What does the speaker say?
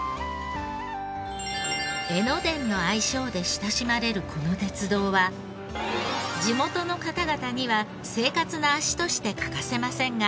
江ノ電の愛称で親しまれるこの鉄道は地元の方々には生活の足として欠かせませんが。